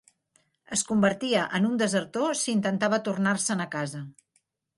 Es convertia en un desertor si intentava tornar-se'n a casa